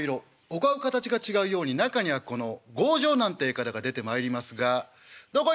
お顔形が違うように中にはこの強情なんて方が出てまいりますが。